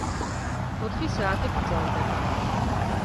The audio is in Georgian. ოთხი საათი გრძელდება.